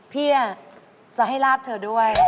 พี่จะให้ลาบเธอด้วย